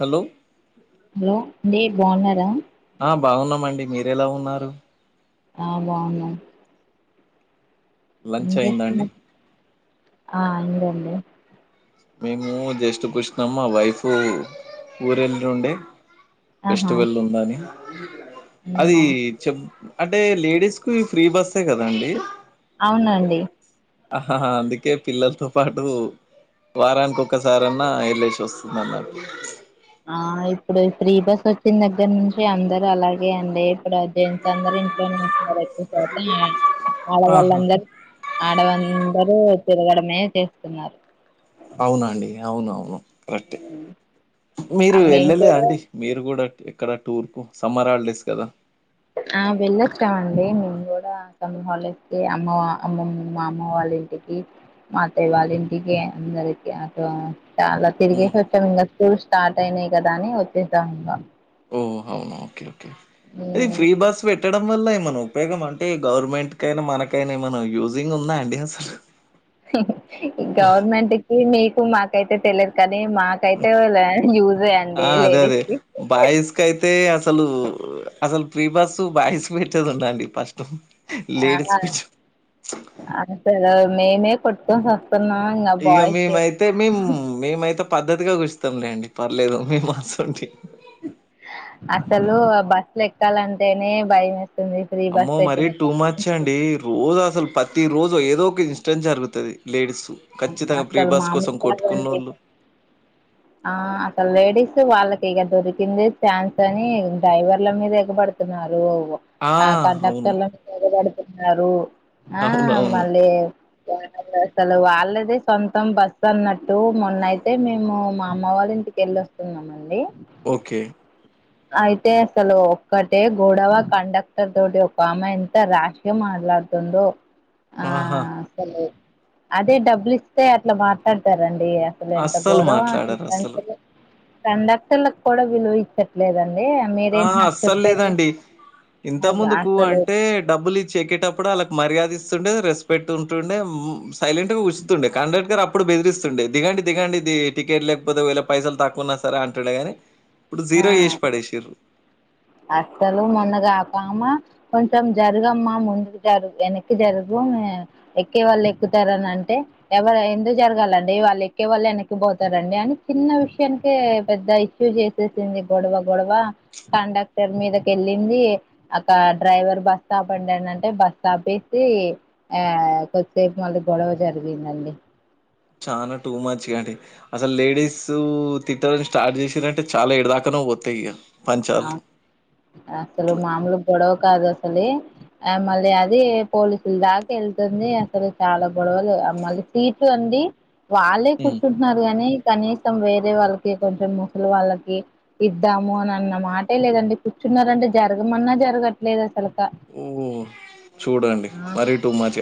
Hello! Hello అండి బాగున్నారా? ఆ బాగున్నామండి మీరెలా ఉన్నారు? ఆ బాగున్నం. లంచ్ అయిందా అండి. ఆ అయిందండి. మేము జస్ట్ కుష్నం మా వైఫ్ ఊరెళ్ళుండే ఆహా ఫెస్టివల్ ఉందని అదీ అవునా చెప్ అంటే లేడీస్కు ఈ ఫ్రీ బస్సే కదండి. అవునండి. అహా హా అందుకే పిల్లల్తో పాటు వారాన్ కొక్కసారన్నా ఎళ్ళేస్ వస్తుందన్నారు. ఆ ఇప్పుడు ఈ ఫ్రీ బస్ వచ్చిన్ దగ్గర్నుంచి అందర్ అలాగే అండి ఇప్పుడా జెంట్స్ అందరు ఇంట్లో ఉన్నార్ ఎక్కు శాతం ఆ వాళ్ళ ఆహా వాళ్ళందరు ఆడవందరూ తిరగడమే చేస్తున్నారు అవునండి అవునవును కరెక్ట్ే ఉమ్. ఆ మీరు మేము వెళ్ళలే కూడా అండి మీరు కూడా ఎక్కడ టూర్ కు సమ్మర్ హల్ డేస్ కదా ఆ వెళ్ళొచ్చమండి మేము కూడా సమ్మర్ హాల్ డేస్ కి అమ్మ అమ్మమ్ మా అమ్మ వాళ్ళ ఇంటికి మా అత్తయ్య వాళ్ళ ఇంటికి అందరికి అటు చాలా ఉమ్ తిరిగేసి వచ్చాము ఇంగ స్కూల్ స్టార్ట్ అయినాయి కదా అని వచ్చేసాం ఇంగ ఓ అవునా ఓకే ఓకే అది ఫ్రీ బస్ పెట్టడం వల్ల ఎమన ఉపయోగం అంటే గవర్నమెంట్ కైనా మనకైనా ఏమ యూజింగ్ ఉందా అండి అసలు గవర్నమెంట్ కి మీకు మాకైతే తెలియదు కని మాకైతే యూజె అండి లేడీస్ కి అయితే అసలు అసలు ప్రీ బస్ బాయిస్ పెట్టేది ఉండండి ఫస్ట్ ఆ స మేమే కొట్టుకుం ఇగ మీమయితే మిం మీమైతే పద్ధతిగా కూర్స్తతాంలేండి పర్లేదు మేము అసోంటి అసలు అ బస్సులు ఎక్కాలంటేనే భయం వేస్ అమ్మో మరీ టూ మార్చ్ అండి రోజు అసలు ప్రతి రోజు ఏదో ఒక ఇన్స్టెట్ జరుగుతది లేడీస్ అసలు మామలు కాదండి ఆ అసలు లేడీస్ వాళ్ళకి ఇగ దొరికిందే ఛాన్స్ అని డ్రైవర్ల మీద ఎగబడుతున్నారు ఆ అవును. కండక్టర్ల మీద ఎగబడుతున్నారు ఆ అవునవును. మళ్ళీ దారుణంగా అసలు వాళ్ ళ్ళదే సొంతం బస్సు అన్నట్టు మొన్నయితే మేము మా అమ్మ వాళ్ళ ఇంటికెళ్ళి వస్తున్నమండి ఓకే అయితే అసలు ఒక్కటే గొడవ కండక్టర్ తోటి ఒక ఆమె ఎంత రాష్గ మట్ ట్లాడు తుందో ఆ ఆహా! అ అసలు అదే డబ్బులిస్తే అట్లా మాట్లాడతారం డి అసలు ఎంత అస్సలు గోరమో అసలు మాట్లాడరు కండక్టర్లకు కూడా విలువ ఇచ్చట్లేదండి ఆ మీరేంటి నాకు అస్సలు చెప్పేది లేదండి ఇంత ముందుకు అసలు అంటే డబ్బులు ఇచ్చి ఎక్కేటప్పుడు వాళ్ళకి మర్యాదిస్ ండే రెస్పెక్ట్ ఉంటుండే మ్ సైలెంట్ గా ఉంచుతుండే కండక్టర్ ఇప్పుడు బెదిరిస్తుండే దిగండి దిగండి ద్ టికెట్ లేకపోతే ఒకవేళ పైసలు తక్కువున్నా సరే అంటాడేగాని ఇప్పుడు జీరో ఆ చేసి పడేసిర్రు అస్సలు మొన్నగా ఒకమా కొంచెం జరుగమ్మా ముందుకు జరుగు వెనక్కి జరుగు ఎక్కే వాళ్ళు ఎక్కుతారని అంటే ఎవరు ఎందుకు జరగాలండి వాళ్ళు ఎక్కేవాళ్ళు వెనక్కిపో ారండి అ చిన్న విషయానికే పెద్ద ఇష్యూ చేసేసింది గొడవ గొడవ కాండక్ టర్ మీదకేళ్ళింది అక డ్రైవర్ బస్ స్టాప్ అండి అ అంటే బస్ ఆపేసి ఆ కొద్దిసేపు మళ్ళీ గొడవ జరిగిందండి చనా టూ మచ్గాండి అసలు లేడీస్ తిట్టడం స్టార్ట్ చేసిరంటే చాలా ఎడిదాకనో పోతయి ఇగ ఆ పంచాలు. అసలు మామూలు గొడవ కాదు అసలే ఆ మళ్ళీ అది పోలీసుల దాకా వెళ్తుంది అసలు చాలా గొడవలు మళ్ళీ సీట్ అ డి వాళ్ళే హ్మ్. కూర్చుంటున్నారు గానీ కనీసం వేరే వాళ్ళకి కొంచెం ముసలీ వాళ్ళకి ఇద్దాము అని అన్నామా మాటే లేదండి కూర్చున్నారు అంటే జరగమన్నా జరగట్లేదం ఊ చూడండి మరీ టుమాచ్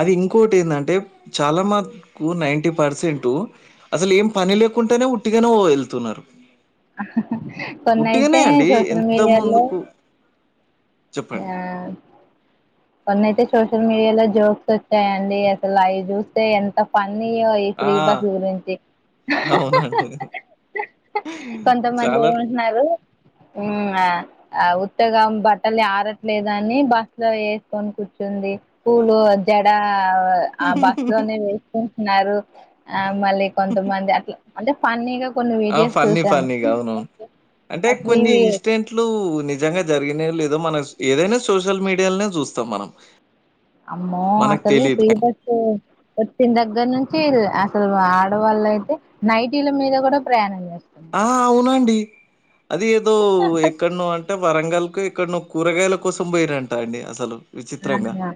అది ఇంకోటి ఏంటంటే చాలా మకు నైంటీ పర్సెంట్ అసలు ఏం పని లేకుంటేనే ఉట్టిగనే వెళ్తున్నారు కొన్ని అయితే సోషల్ ఎంత మీడియాలో ముందుకు ఆ చెప్పండి. కొన్ని అయితే సోషల్ మీడియాలో జోక్స్ వచ్చాయండి అసలు అవి చూస్తే ఎంత ఫన్ అన్న ఈ ఆ! ఫ్రీ బస్ లగురించి అవునండి. కొంతమంది చాలా ఏమంటున్నారు ఊ ఆ ఉత్తగా బట్టలు ఆరట్లేదు అని బస్సులో ఏస్ కని కూర్చుంది పూలు జడ ఆ బస్ లోనే వేసుకొని న్నారు ఆ మళ్ళీ కొంతమంది అట్ల అంటే ఫన్నీగా కొన్ని ఆ వీడియోస్ ఫన్నీ చూసాము ఫన్నీగా అవునవును అంటే ఆ కొన్ని ఫ్రీవి ఇన్స్డెంట్లు నిజంగా జరిగిన లేదో మన ఏదైనా సోషల్ మీడియాలోనే చూస్తాం మనం అమ్మో మనకు అసలు తెలీదు. ప్రీ బస్ వచ్చిన దగ్గర చేదు అసలు ఆడవాళ్ళ అయితే నైటీల మీద కూడా ప్రయాణం చేస్ ఆ అవునండి అది ఏదో ఎక్కడనో అ అంటే వరంగల్కి ఎక్కడనో కూరగాయల కోసం పోయిరంట అండి అసలు విచిత్రంగా. ఆ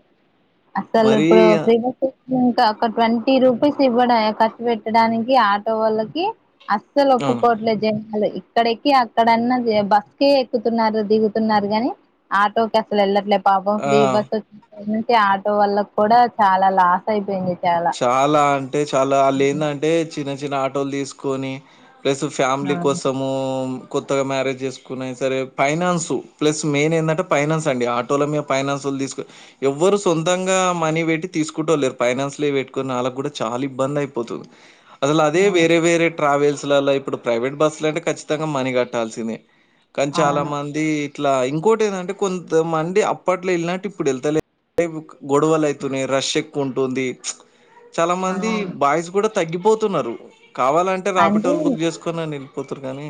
అసలు మరీ ఇప్పుడు ఫ్రీ బస్ వచ్చినంకా ఒక ట్వంటీ రూపీస్ ఇవ్వడం ఖర్చు పెట్టడానికి ఆటో వాళ్ళకి అస్సలు ఆ! ఒప్పుకోవట్లేదు జనా ఇక్కడెక్కి అక్కడన్న బస్కే ఎక్కుతున్నారు దిగుతున్నారు గాని ఆటోకి అసలు వెళ్లట్లేదు పాప్ ఆ! ఫ్రీ బస్సు వచ్చిన నుంచి ఆటో వాళ్ళకు కూడా చాలా లాస్ అయిపోయింది చాలా అంటే చాలా వాళ్ళు ఉహు ఏందంటే చిన్న చిన్న ఆటోలు తీసుకొని ప్లస్ ఫ్యామిలీ కోసము కొత్తగా మ్యారేజ్ చేసుకున్నా సరే ఫైనాన్స్ ప్లస్ మెయిన్ ఏందంటే ఫైనాన్స్ అండి ఆటోలో మీద ఫైనాన్స్ ఎవరు సొంతంగా మనీ పెట్టి తీసుకుంటోళ్లు లేరు ఫైనాన్స్ పెట్టుకుని వాళ్ళ కూడా చాలా ఇబ్బంది అయిపోతుంది అసలు అదే వేరే వేరే ట్రావెల్స్లలా ఇప్పుడు ప్రైవేట్ బస్సులు అంటే ఖచ్చితంగా మనీ కట్టాల్సిందే కానీ ఆ చాలా మంది ఇట్లా ఇంకోటి ఏందంటే కొంతమంది అప్పట్లో వెళ్ళినట్టు ఇప్పుడు వెళ్తలే గొడవలు అయితున్నాయి రష్ ఎక్కువ ఉంటుంది చాలా మంది అవును బాయ్స్ కూడా తగ్గిపోతున్నారు కావాలంటే ఆ రాపిటోళ్ళు అంటే బుక్ చేసుకున్నా పోతురు కానీ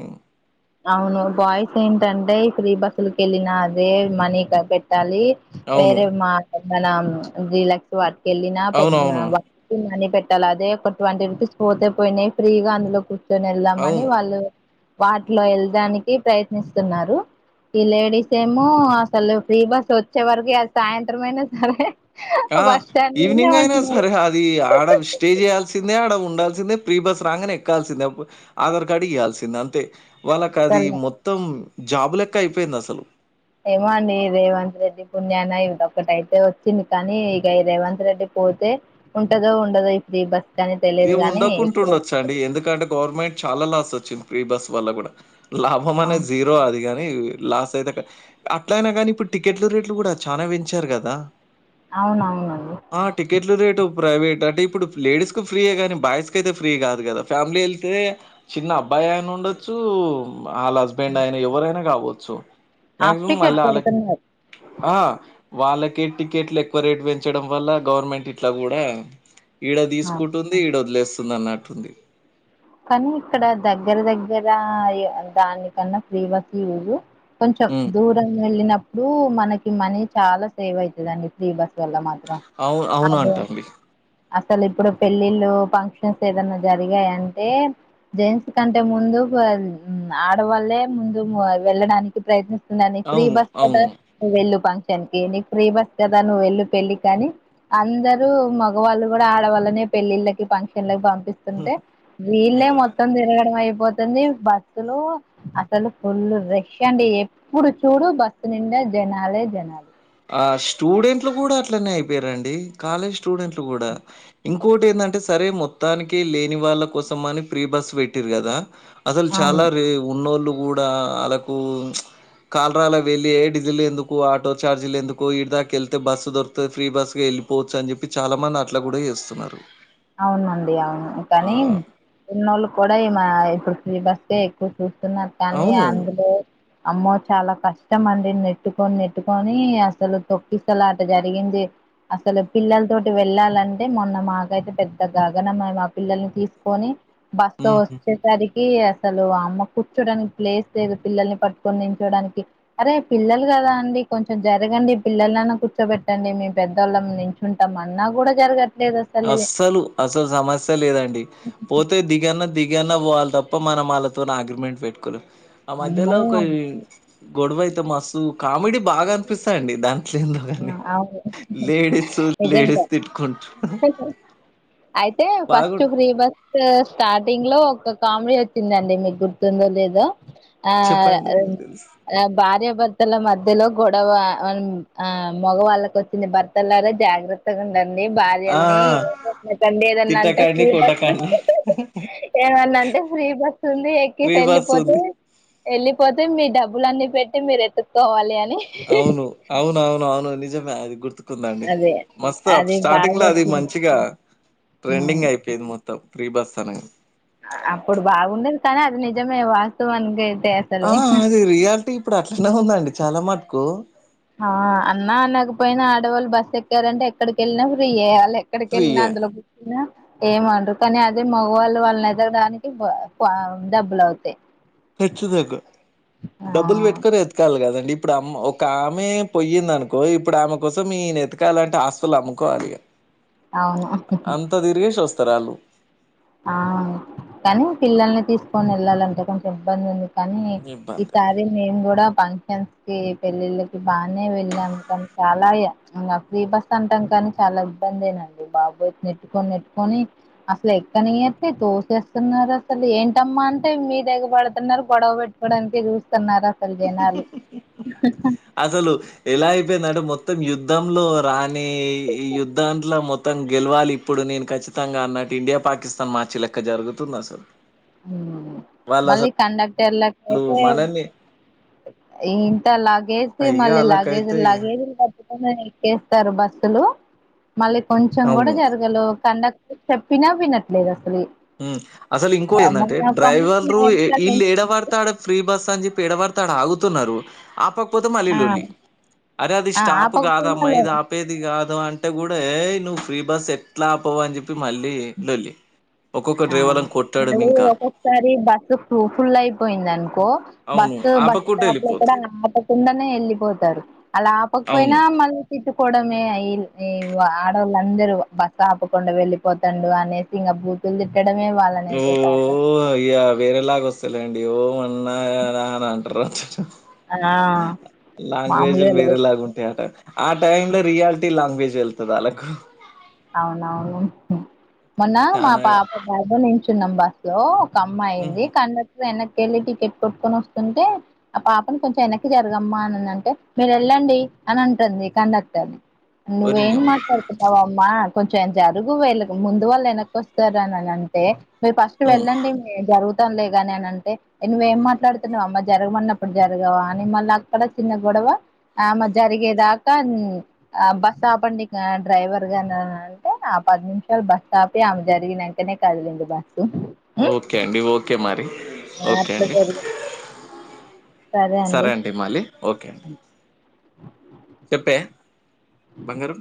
అవును బాయ్స్ ఏంటంటే ఫ్రీ బస్సులకి వెళ్ళినా అదే మనీ పెట్టాలి అవును వేరే మా మన డీలక్స్ వాటికి అవును అవును వెళ్ళిన మనీ పే అదే ఒక ట్వంటీ రూపీస్ పోతే పోయినాయి ఫ్రీగా అందులో కూర్చొని వెళ్దామని అవును వాళ్ళు వా లో వెళ్డానికి ప్రయత్నిస్తున్నారు ఈ లేడీస్ ఏమో అసలు ఫ్రీ బస్ వచ్చే వరకి అది సాయంత్రం అయినా సరే ఆ బస్ స్టాండ్ లోనే ఈవినింగ్ అయినా ఉంటున్నారు సరే అది ఆడవి స్టే చేయాల్సిందే ఆడ ఉండాల్సి సిందే ప్రీ బస్ రాంగానే ఎక్కాల్సిందే ఆధార్ కార్డు ఇయ్యాల్సిందే అంతే వాళ్ళకి అది అసలు మొత్తం జాబు లెక్క అయిపోయింది అసలు ఏమో అండి రేవంత్ రెడ్డి పుణ్యాన ఇది ఒకటి అయితే వచ్చింది కానీ ఇగా ఈ రేవంత్ రెడ్డి పోతే ఉంటదో ఉండదో ఈ ఫ్రీబస్ ఇగా ఉండకుండా ఉండొచ్చా అండి ఎందుకంటే గవర్నమెంట్ చాలా లాస్ వచ్చింది ఫ్రీ బస్ వల్ల కూడా లాభం అనేది జీరో అదిగాన్ లాస్ అయితే అట్ల అయినా కానీ ఇప్పుడు టికెట్లు రేట్లు కూడా చానా పెంచారు కదా అవునవునండి ఆ టికెట్లు రేటు ప్రైవేట్ అంటే ఇప్పుడు లేడీస్ ఫ్రీ యే గాని బాయ్స్ కి అయితే ఫ్రీ కాదు కదా ఫ్యామిలీ వెళ్తే చిన్న అబ్బాయి అయినా ఉండొచ్చు వాళ్ళ హస్బెండ్ అయినా ఎవరైనా కావచ్చు హాఫ్ మాక్సిమం మళ్ళ టికెట్ వాళ్లకి పెడుతున్నారు ఆ వాళ్లక్ టికెట్లు ఎక్కువ రేట్ పెంచడం వల్ల గవర్నమెంట్ ఇట్లా కూడా ఆ! కుంటుంది ఈడ వదిలేస్తుందన్నట్టుంది కానీ ఇక్కడ దగ్గర దగ్గర దానికన్నా ఫ్రీ బస్సు యూజు కొంచెం హ్మ్. దూరం వెళ్ళినప్పుడు మనకి మనీ చాలా సేవ్ అవుతదండి ఫ్రీ బస్ వల్ల మాత్ర అవును అవును అంటండి అసలు ఇప్పుడు పెళ్ళిళ్ళు ఫంక్షన్స్ ఏదన్నా జరిగాయంటే జెంట్స్ కంటే ముందు ఆడవాల్లే ముందు వెళ్ళడానికి ప్రయత్నిస్ స్తుందండి ఫ్రీ అవును. బస్సు కదా అవును. నువ్ వెళ్ళు ఫంక్ష నికి నీకు ఫ్రీ బస్ కదా నువ్వు వెళ్ళు పెళ్లికానీ అందరూ మగవాళ్ళు కూడా ఆడవాళ్ళనే పెళ్ళిళ్ళకి ఫంక్షన్ లకి పంపిస్తుంటే వీళ్లే మొత్తం తిరగ అయిపోతుంది బస్సు లో అసలు ఫుల్ రష్ అండి ఎప్పుడు చూడు బస్సు నిండా జనాలే జనాలు ఆ స్టూడెంట్లు కూడా అట్లనే అయిపోయిరండి కాలేజ్ స్టూడెంట్లు కూడా ఇంకోటి ఏందంటే సరే మొత్తానికి లేని వాళ్ళ కోసం అని ఫ్రీ బస్ పెట్టిరు కదా అసలు అవును చాలా రే ఉన్నోళ్ళు కూడా వాళ్ళకు కాల్రాల వెళ్ళి ఎ డిజిల్ ఎందుకు ఆటో ఛార్జీలు ఎందుకు ఈడిదాకా వెళ్తే బస్సు దొరికితే ఫ్రీ బస్ కేళ్ళిపోవచ్చు అని చెప్పి చాలా మంది అట్లా కూడా చేస్తున్నారు అవునండి అవును కానీ ఉన్నోళ్లు కూడా ఈమా ఇప్పుడు ఫ్రీ బస్సు ఎక్కి తున్నారు కని అవును. అందులో అమ్మో చాలా కష్టం అండి నెట్టుకొని నెట్టుకొని అసలు తొక్కిసలాట జరిగింది అస లు పిల్లల తోటి వెళ్ళాలంటే మొన్న మాకైతే పెద్ద గగనమే మా పిల్లల్ని తీసుకొని బస్సు హ్మ్. వచ్చేసరి కి అసలు వామ్మో కూర్చోడానికి ప్లేస్ లేదు పిల్లల్ని పట్టుకొని నించోడానికి అరే పిల్లలుగా కదా అండి కొంచెం జరగండి పిల్లలనన్న కూర్చోబెట్టండి మేము పెద్దవాళ్ళం నించుంటాం అన్నా కూడా జరగ ట్లే లేదసలు అసలు అసలు సమస్య ఏ లేదండి పోతే దిగన్న దిగన్ న్న పోవాలి వాళ్ళ తప్ప మనం వాళ్ళతోని అగ్రిమెంట్ పెట్టుకోలేం ఆ మధ్యల అమ్మో ఒక గొడవైతే మస్తు కామెడీ బాగా అనిపిస్తాదండి దం ట్లేందో ఆ కాని అవును లేడీస్ నిజంగా లేడీస్ తిట్టుకుంటు అయితే ఫస్ట్ ఫ్రీ బస్ స్ స్టార్టింగ్ లో ఒక కామెడీ వచ్చిందండి మీకు గుర్తుందో లేదో ఆ చెప్పండి తెలుసు భార్యభర్తల మధ్యలో గొడవ అన్ ఆ మగవాళ్ళకు వచ్చింది భర్తళ్ళరా జాగ్రత్తగా ఉం ండి ఆ భార్యల్ని ఏమన కండి ఏదన్నా అంటే తిట్టకండి, ఫ్రీ బస్ కొట్టకండి ఏమన్నంటే ఫ్రీ బస్ ఉంది ఎక్కేసి ఫ్రీ బస్ వెళ్లిపోతే ఉంది. వెళ్ళిపోతే మీ డబ్బులన్నిీ పెట్టి మీరు ఎతుక్కోవాలి అని అవును అవునవును అవును నిజమే అది గుర్తు ందండి అదే మస్తు అప్ అది స్టార్టింగ్ బాగా లో అది వచ్చింది మంచిగా హ్మ్. ట్రెండింగ్ అయిపోయింది మొత్తం ప్రీ బస్ అని అప్పుడు బాగుండేది కానీ అది నిజమే వాస్తవానికి ఆ అసలే అది రియాలిటీ ఇప్పుడు అట్లనే ఉందండి చాలా మట్టుకు ఆ అన్నా అనకపోయినా ఆడవాళ్ళు బస్సు ఎక్కారంటే ఎక్కడికి వెళ్ళినా ఫ్రీ య్యాలి ఎక్కడికి ట్రీ వెళ్ళినా అందులో కూర్చున్నా ఏమంటారు కానీ అదే మగవాళ్ళు వాళ్ళని అయితే ఎదరడానికి డబ్బులు అవుతయ్ హచత డబ్బుల్ ఆ పెట్టుకొని వేతకాలగదండి ఇప్పుడు అమ్మ ఒక ఆమె పొయ్యింది అనుకో ఇప్పుడు ఆమె కోసం ఈన వెెతకాలంటఆస్తులు అమ్ముకోవాలి అవును తరాలు ఆ కానీ పిల్లల్ని తీసుకొని వెళ్లాలంటే కొంచం ఇబ్బంది ఉంది కానీ ఇబ్బంది ఈసారి మేము కూడా ప క పెళ్ళిళ్ళకి బానే వెళ్ళాము కానీ చాలా ఇంగ ఫ్రీ బస్ అంటాం కాని చాలా ఇబ్బందెనండి బాబోయి నెట్టుకొని నెట్టుకొని అసలు ఎ కానీ ఎ తోసేస్తున్నారు అసలు ఏంటమ్మా అంటే మీ దగర పడుతున్నారు గొడవ పెట్టుకోడానికి చూ స్థన్నారు అసలు జనాలు అపోయిందంటే మొత్తం యుద్ధంలో రాని ఈ యుద్ధాంలో మొత్తం గెలవాలి ఇప్పుడు నేను ఖచ్చిత ఖచ్చితంగా అన్నట్టు ఇండియా పాకిస్తాన్ మార్చి లెక్క జరుగుతుంది అసలు వాళ్ళు మళ్ళీ కండక్టర్లకు అసలు అయితే మనల్ని ఇంత లగేజ్ ఇగ మళ్ళ లగేజ్ అలాకైతే లగేజ్ ఎక్కేస్తారు బస్సులు మళ్ళీ కొంచెం కూడా అవును జరగలు కండక్ చెప్పిన వినట్లేదు అసల్ అసలు ఇంకో ఏందంటే ఒక అమ్మాయి డ్రైవర్ నా వెనకాల వీళ్ళు నిల్చుంది ఏడవడతే ఆడ ఫ్రీ బస్ అని చెప్పి ఎడవారితే ఆడ ఆగుతున్నారు ఆపకపోతే మళ్లీలోళ్ళి ఆ అరే అది స్టాప్ కాద ఆపకపోయినా అమ్మాయిది ఆపేది కాదు అంటే కూడా ఏ నువ్వు ఫ్రీ బస్ ఎట్లా ఆపవ అని చెప్పి మళ్ళీ లొల్లి ఒక్కొక్క ఆ డ్రైవర్‌లను కొట్టడం మళ్ళీ ఇంకా. ఒక్కొక్కసారి బస్సు పు ఫుల్ అయిపోయింది అనుకో అవును. బస్సు బస్ ఆపకుంట స్టాప్ లో కూడా ఎళ్ళిపోతురు. ఆపకుండానే వెళ్ళిపోతారు అలా అవును. ఆపకపోయినా మళ్ కూడా మే అయిన్ ఆడోళ్ళందరు బస్ ఆపకుండా వెళ్ళిపోతాండు అనేసి ఇంకా బూ ఓ ఇయ వేరలాగ వస్తలె అండి [unintelligible] మన్నాంటరు ఆ లాంగ్వేజ్లు మామూలుగా లేదు వేరేలాగా ఉంటాయి అట ఆ టైమ్ లో రియాలిటీ లాంగ్వేజ్ ఎల్తద ఆలకు అవునవును మొన్న మా చానా పాప బాబు నించున్నాం బస్ లో ఒక అమ్మాయి ఉంది ఉహు కండక్టర్ వెన వెళ్ళి టికెట్ కొట్టుకొని వస్తుంటే ఆ పాపను కొంచెం వెనక్కి జరగమ్మా అని అంటే మీరు వెళ్ళండి అని అంటుంది కండక్టర్ ని నువ్వేం ఒరిజినల్ మాట్లాడుతున్నావా ఆ కొంచెం జరుగు వీళ్ళ ముందు వాళ్ళు వెనక్కి వస్తారనిని అంటే మీరు ఫస్ట్ ఉమ్ వెళ్ళండి జరుగు లేగాని అని అంటే నువ్వ్ ఏం మాట్లాడుతున్నావ అమ్మ జరగమన్నప్పుడు జరగవా అని మళ్ళ అక్కడ చిన్న గొడ ఆమె జరిగేదాకా ఆ బస్ ఆపండి డ్రైవర్ అంటే ఆ పది నిమిషాలు బస్ ఆపి ఆమె జరిగిన వెంటనే కదిలింది బస్ ఓకే అండి ఓకే మరి ఓకే అట్లా అండి జరిగింది సరే అండి మళ్ళీ ఓకే అండి చెప్పే బంగారం